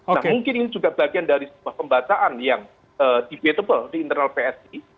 nah mungkin ini juga bagian dari sebuah pembacaan yang debatable di internal psi